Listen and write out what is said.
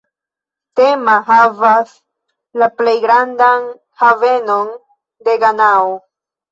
Tema havas la plej grandan havenon de Ganao.